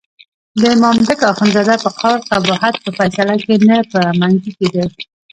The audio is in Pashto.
د مامدک اخندزاده په قول قباحت په فیصله کې نه په منګي کې دی.